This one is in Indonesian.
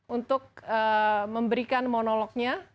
untuk memberikan monolognya